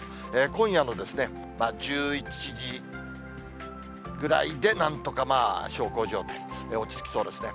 今夜の１１時ぐらいで、なんとか小康状態、落ち着きそうですね。